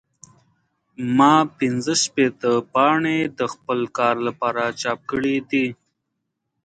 ما پنځه شپېته پاڼې د خپل کار لپاره چاپ کړې دي.